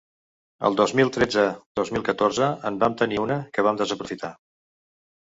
El dos mil tretze-dos mil catorze en vam tenir una, que vam desaprofitar.